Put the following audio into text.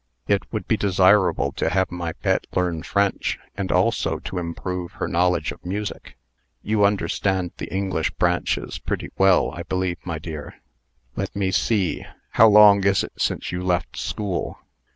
It would be desirable to have my Pet learn French, and also to improve her knowledge of music. You understand the English branches pretty well, I believe, my dear. Let me see how long is it since you left school?"